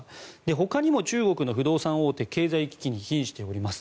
ほかにも中国の不動産大手経済危機にひんしております。